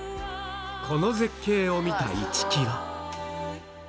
この絶景を見た市來は